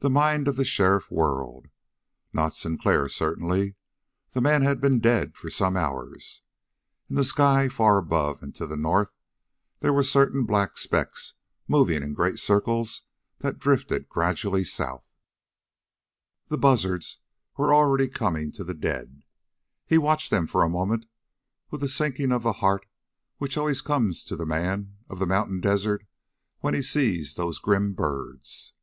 The mind of the sheriff whirled. Not Sinclair, certainly. The man had been dead for some hours. In the sky, far above and to the north, there were certain black specks, moving in great circles that drifted gradually south. The buzzards were already coming to the dead. He watched them for a moment, with the sinking of the heart which always comes to the man of the mountain desert when he sees those grim birds.